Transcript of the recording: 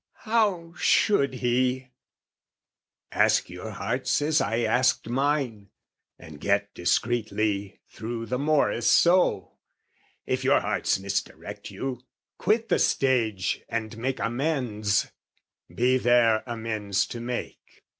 How should he? "Ask your hearts as I asked mine, "And get discreetly through the morrice so; "If your hearts misdirect you, quit the stage, "And make amends, be there amends to make."